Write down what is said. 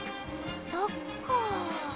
そっか。